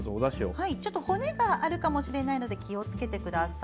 骨があるかもしれないので気をつけてください。